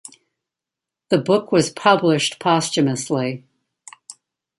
The book was published posthumously.